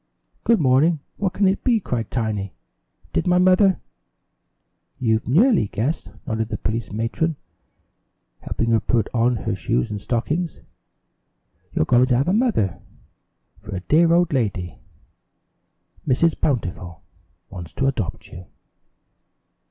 "Good morning. What can it be?" cried Tiny. "Did my mother ?" "You've nearly guessed," nodded the police matron, helping her put on her shoes and stockings. "You're going to have a mother, for a dear old lady Mrs. Bountiful wants to adopt you."